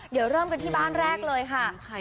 เดี๋ยวเริ่มกันที่บ้านแรกเลยค่ะ